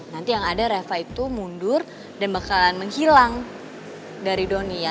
nanti yang ada reva itu mundur dan bakalan menghilang dari doni ya